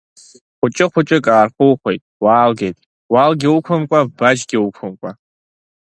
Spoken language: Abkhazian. Хәыҷы-хәыҷык аархухуеит, уаалгеит, уалгьы уқәымкәа, баџьгьы уқәымкәа.